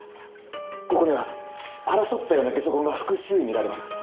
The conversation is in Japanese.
ここには争ったようなゲソ痕が複数見られます。